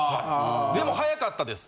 でも早かったです。